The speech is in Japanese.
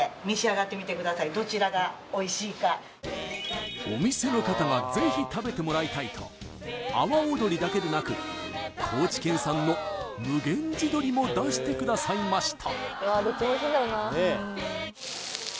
どうぞお店の方が是非食べてもらいたいと阿波尾鶏だけでなく高知県産の無玄地鶏も出してくださいました